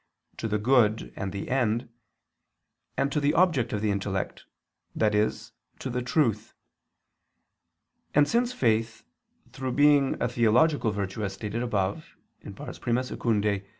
to the good and the end, and to the object of the intellect, i.e. to the true. And since faith, through being a theological virtue, as stated above (I II, Q.